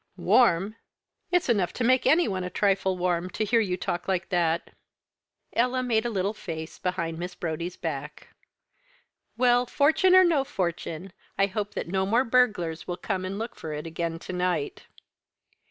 "Warm! It's enough to make any one a trifle warm to hear you talk like that." Ella made a little face behind Miss Brodie's back. "Well, fortune or no fortune, I do hope that no more burglars will come and look for it again to night."